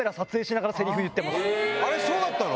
あれそうだったの⁉